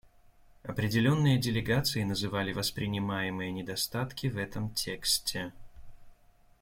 Определенные делегации называли воспринимаемые недостатки в этом тексте.